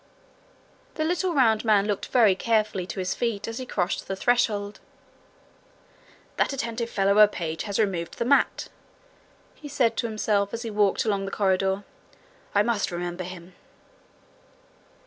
The little round man looked very carefully to his feet as he crossed the threshold. 'That attentive fellow of a page has removed the mat,' he said to himself, as he walked along the corridor. 'I must remember him.'